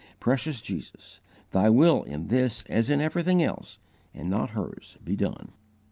Precious Jesus! Thy will in this as in everything else, and not hers, be done!"